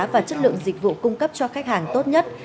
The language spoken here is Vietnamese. và chất lượng dịch vụ cung cấp cho khách hàng tốt nhất